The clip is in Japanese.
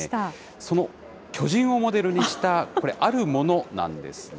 その巨人をモデルにした、これ、あるものなんですね。